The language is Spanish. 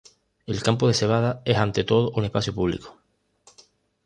El Campo de Cebada es ante todo un espacio público.